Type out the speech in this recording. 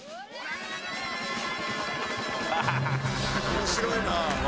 面白いなあ。